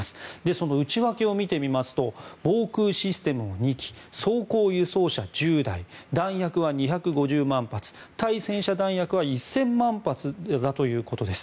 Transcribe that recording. その内訳を見てみますと防空システムを２機装甲輸送車を１０台弾薬は２５０万発対戦車弾薬は１０００万発だということです。